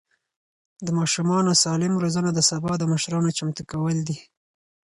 د ماشومانو سالم روزنه د سبا د مشرانو چمتو کول دي.